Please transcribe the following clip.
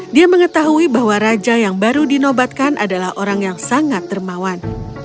dia mengetahui bahwa raja yang baru dinobatkan adalah orang yang sangat termawan